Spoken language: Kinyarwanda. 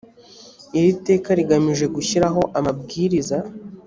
iri teka rigamije gushyiraho amabwiriza